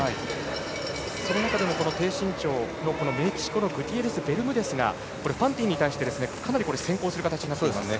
その中でも、低身長のメキシコのグティエレスベルムデスがファンティンに対してかなり先行する形になっています。